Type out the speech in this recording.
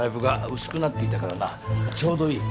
ちょうどいい。